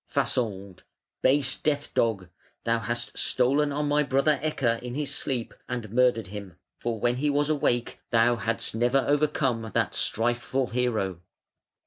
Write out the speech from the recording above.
Fasold: "Base death dog! thou hast stolen on my brother Ecke in his sleep and murdered him; for when he was awake thou hadst never overcome that strifeful hero".